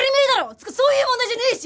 つうかそういう問題じゃねえし！